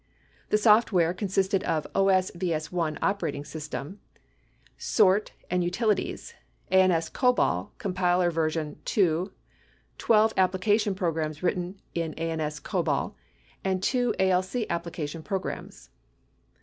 The software consisted of OS/VS1 operating system, SORT and utilities, ANS COBOL com piler version 2, 12 application programs written in ANS COBOL, and 2 ALC application programs.